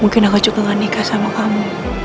mungkin aku juga gak nikah sama kamu